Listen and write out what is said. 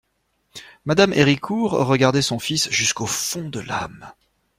Mme Héricourt regardait son fils jusqu'au fond de l'âme.